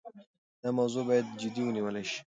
دا موضوع باید جدي ونیول شي.